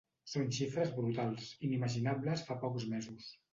Són xifres brutals, inimaginables fa pocs mesos.